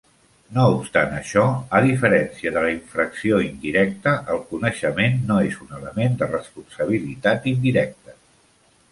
No obstant això, a diferència de la infracció indirecta, el coneixement no és un element de responsabilitat indirecte.